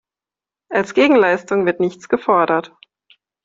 Als Gegenleistung wird nichts gefordert.